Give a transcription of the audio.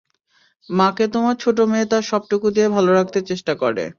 মাকে তোমার ছোট মেয়ে তার সবটুকু দিয়ে ভালো রাখতে চেষ্টা করে।